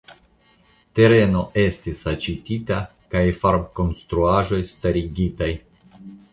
Tereno estis aĉetitaj kaj farmkonstruaĵoj starigitaj.